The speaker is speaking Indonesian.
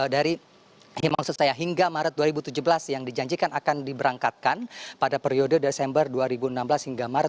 dari maksud saya hingga maret dua ribu tujuh belas yang dijanjikan akan diberangkatkan pada periode desember dua ribu enam belas hingga maret